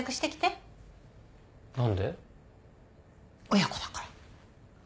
親子だから。